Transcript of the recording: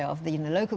di komunitas lokal